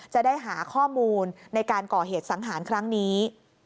จะได้หาข้อมูลในการก่อเหตุสังหารครั้งนี้